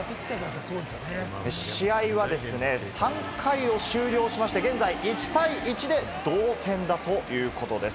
試合はですね、３回を終了しまして現在、１対１で同点だということです。